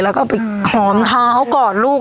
แล้วก็ไปหอมเท้าเขากอดลูก